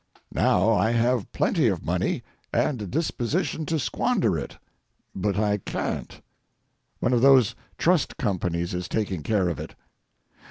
Now I have plenty of money and a disposition to squander it, but I can't. One of those trust companies is taking care of it.